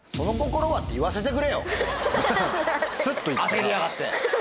焦りやがって。